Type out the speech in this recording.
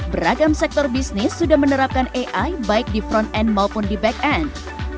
beragam sektor bisnis sudah menerapkan ai baik di front end maupun di back end